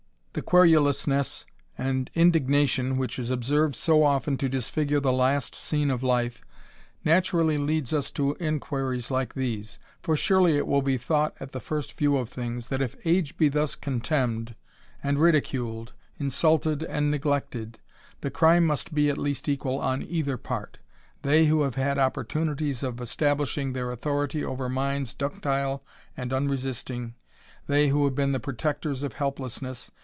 The quenilousness and indignation which is observed so often to disfigure the last scene of life, naturally leads us to inquiries like these. For surely it will be thought at the first view of things, that if age be thus contemned and ridiculed, insulted and neglected, the crime must at least be ^ual on either part. They who have had opportunities ®^ establishing their authority over minds ductile and ^resisting, they who have been the protectors of helpless ''^s.